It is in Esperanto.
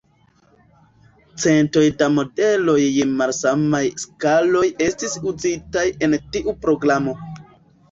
Centoj da modeloj je malsamaj skaloj estis uzitaj en tiu programo.